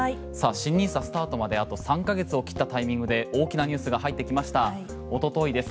新ＮＩＳＡスタートまであと３か月を切ったタイミングで大きなニュースが入ってきました一昨日です。